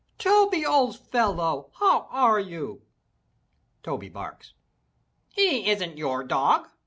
Toby, old fellow, how are you?" Toby barks. "He isn't your dog!"